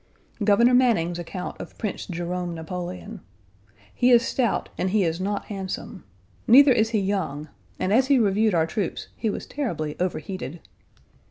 Governor Manning's account of Prince Jerome Napoleon: "He is stout and he is not handsome. Neither is he young, and as he reviewed our troops he was terribly overheated."